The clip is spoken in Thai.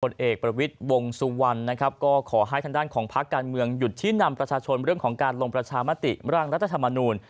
เอกประวิทย์วงสุวรรณนะครับก็ขอให้ทางด้านของพักการเมืองหยุดชี้นำประชาชนเรื่องของการลงประชามติร่างรัฐธรรมนูล